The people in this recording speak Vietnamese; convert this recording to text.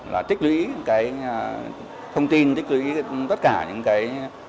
là tích lũy cái thông tin tích lũy tất cả những cái